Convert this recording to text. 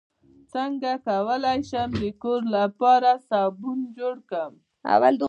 څنګه کولی شم د کور لپاره صابن جوړ کړم